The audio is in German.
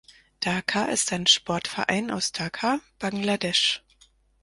Dhaka ist ein Sportverein aus Dhaka, Bangladesch.